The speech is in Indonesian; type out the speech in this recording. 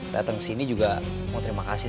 dateng sini juga mau terimakasih